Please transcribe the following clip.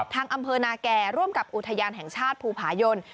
ทางอำเภอนาแก่ร่วมกับอุทยานแห่งชาติภูผายน